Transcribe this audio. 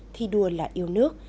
thi đua là yêu nước